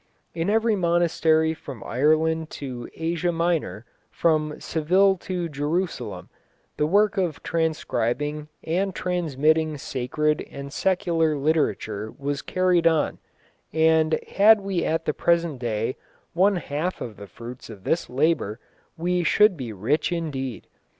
In every monastery from Ireland to Asia Minor, from Seville to Jerusalem, the work of transcribing and transmitting sacred and secular literature was carried on, and had we at the present day one half of the fruits of this labour we should be rich indeed.